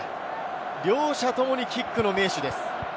両者ともにキックの名手です。